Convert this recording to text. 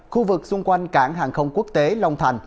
khu vực xung quanh cảng hàng không quốc tế long thành